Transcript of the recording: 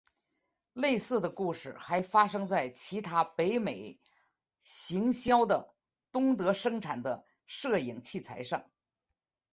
类似的故事还发生在其他北美行销的东德生产的摄影器材上。